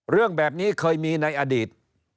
เรื่องแบบนี้เคยมีในอดีต